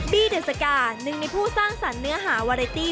เดสกาหนึ่งในผู้สร้างสรรค์เนื้อหาวาเรตี้